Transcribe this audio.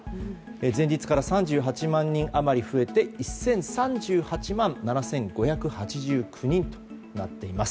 前日から３８万人余り増えて１０３８万７５８９人となっています。